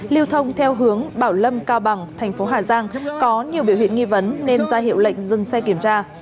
lưu thông theo hướng bảo lâm cao bằng thành phố hà giang có nhiều biểu hiện nghi vấn nên ra hiệu lệnh dừng xe kiểm tra